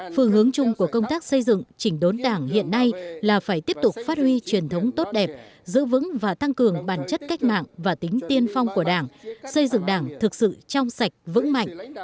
phương hướng chung của công tác xây dựng chỉnh đốn đảng hiện nay là phải tiếp tục phát huy truyền thống tốt đẹp giữ vững và tăng cường bản chất cách mạng và tính tiên phong của đảng xây dựng đảng thực sự trong sạch vững mạnh